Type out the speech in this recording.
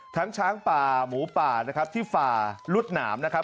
ช้างป่าหมูป่านะครับที่ฝ่ารวดหนามนะครับ